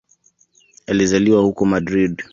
Alizaliwa huko Madrid.